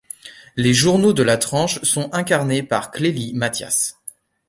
Les journaux de la tranche sont incarnés par Clélie Mathias.